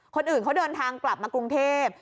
คนอื่นเขาเดินทางกลับมากรุงเทพ